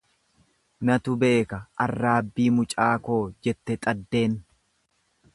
Natu beeka arraabbii mucaa koo jette xaddeen.